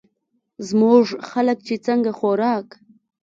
زمونږ خلک چې څنګه خوراک